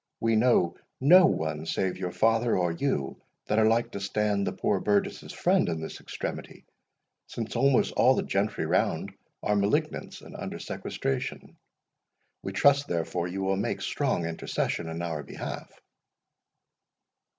We know no one save your father or you, that are like to stand the poor burgesses' friend in this extremity, since almost all the gentry around are malignants, and under sequestration. We trust, therefore, you will make strong intercession in our behalf."